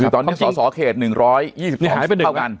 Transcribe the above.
คือตอนนี้สสเขต๑๒๒เสียงเท่ากัน